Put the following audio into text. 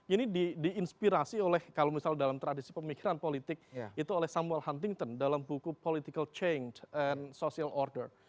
ini diinspirasi oleh kalau misalnya dalam tradisi pemikiran politik itu oleh samuel huntington dalam buku political change and social order